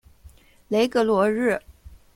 雷格罗日。